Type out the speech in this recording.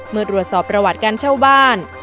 เมื่อตรวจสอบประวัติการเช่าบ้าน